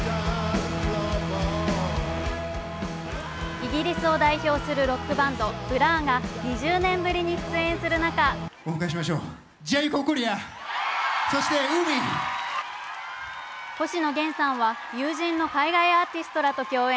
イギリスを代表するロックバンドＢＬＵＲが２０年ぶりに出演する中星野源さんは有人の海外アーティストらと共演。